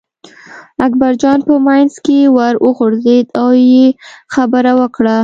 اکبرجان په منځ کې ور وغورځېد او یې خبره وکړه.